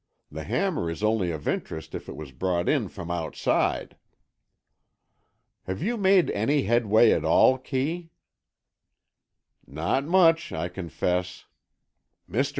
The hammer is only of interest if it was brought in from outside." "Have you made any headway at all, Kee?" "Not much, I confess. Mr.